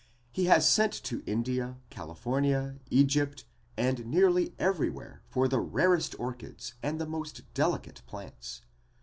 He has sent to India, California, Egypt and nearly everywhere for the rarest orchids and most delicate plants.